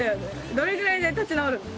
どれぐらいで立ち直るの？